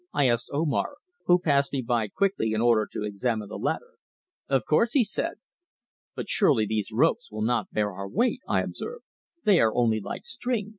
I asked Omar, who passed me by quickly in order to examine the ladder. "Of course," he said. "But surely these ropes will not bear our weight!" I observed. "They are only like string."